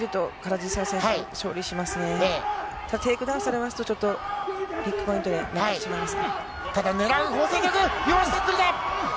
テイクダウンされますと、ちょっとビッグポイントになってしまいますね。